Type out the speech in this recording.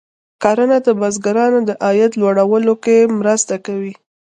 کرنه د بزګرانو د عاید لوړولو کې مرسته کوي.